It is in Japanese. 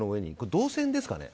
動線ですからね。